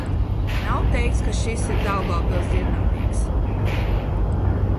"Nav teikts, kas ir šis "Daugavpils dzirnavnieks"."